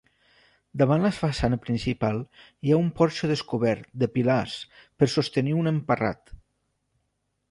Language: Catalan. Davant la façana principal hi ha un porxo descobert, de pilars, per sostenir un emparrat.